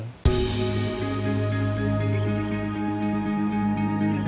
kepala kepala kepala kepala